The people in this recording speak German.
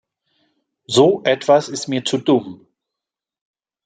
So etwas ist mir zu dumm.